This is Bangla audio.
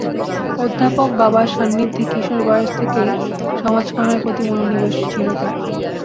অধ্যাপক বাবার সান্নিধ্যে কিশোর বয়স থেকেই সমাজকর্মের প্রতি মনোনিবেশ ছিল তাঁর।